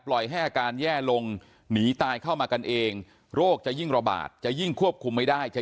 โพญหัวไหวนะครับก็กลายให้พวกเขาสำเร็จ